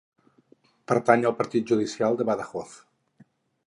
Pertany al Partit judicial de Badajoz.